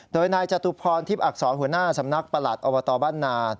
โดยนายจตุพรทิพย์อักษรหัวหน้าสำนักประหลัดอบตบ้านนา